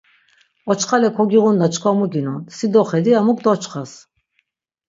Oçxale kogiğunna çkva mu ginon, si doxedi emuk doçxas.